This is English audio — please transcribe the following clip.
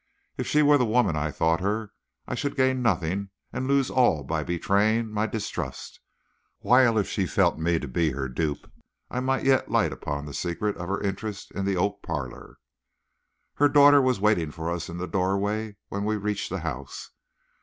If she were the woman I thought her, I should gain nothing and lose all by betraying my distrust, while if she felt me to be her dupe I might yet light upon the secret of her interest in the oak parlor. Her daughter was waiting for us in the doorway when we reached the house.